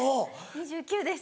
２９です！